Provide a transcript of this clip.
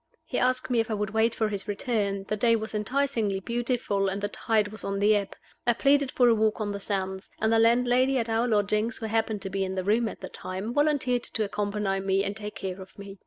He asked me if I would wait for his return. The day was enticingly beautiful, and the tide was on the ebb. I pleaded for a walk on the sands; and the landlady at our lodgings, who happened to be in the room at the time, volunteered to accompany me and take care of me.